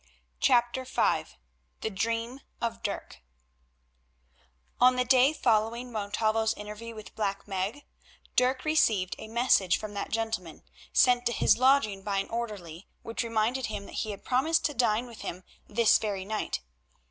CHAPTER V THE DREAM OF DIRK On the day following Montalvo's interview with Black Meg Dirk received a message from that gentleman, sent to his lodging by an orderly, which reminded him that he had promised to dine with him this very night.